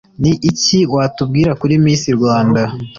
ni iki watubwira kuri miss rwanda